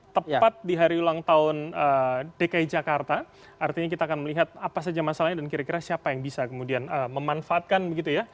tepat di hari ulang tahun dki jakarta artinya kita akan melihat apa saja masalahnya dan kira kira siapa yang bisa kemudian memanfaatkan begitu ya